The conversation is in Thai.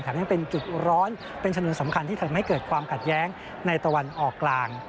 ยังเป็นจุดร้อนเป็นชนวนสำคัญที่ทำให้เกิดความขัดแย้งในตะวันออกกลาง